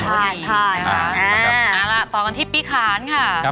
ใช่ต่อกันที่ปีขาญค่ะ